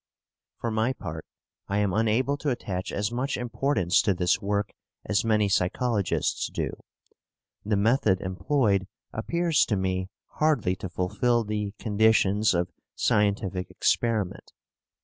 For my part I am unable to attach as much importance to this work as many psychologists do. The method employed appears to me hardly to fulfil the conditions of scientific experiment.